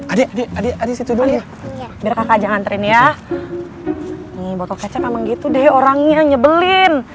adik adik adik adik situ dulu ya kakak jangan terin ya nih botol kecap gitu deh orangnya nyebelin